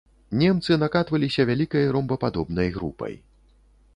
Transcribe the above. Немцы накатваліся вялікай ромбападобнай групай.